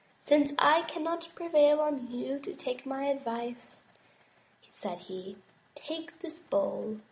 "Since I cannot prevail on you to take my advice," said he, "take this bowl.